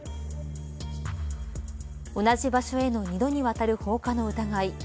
同じ場所への２度にわたる放火の疑い。